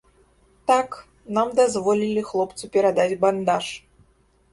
Так, нам дазволілі хлопцу перадаць бандаж.